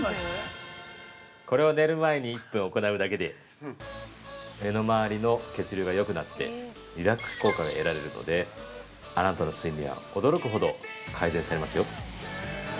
◆これを寝る前に１分行うだけで目の周りの血流がよくなってリラックス効果が得られるので、あなたの睡眠は驚くほど改善されますよ。